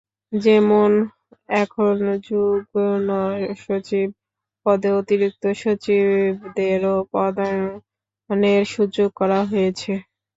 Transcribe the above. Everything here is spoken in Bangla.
যেমন এখন যুগ্ম সচিবদের পদে অতিরিক্ত সচিবদেরও পদায়নের সুযোগ করা হয়েছে।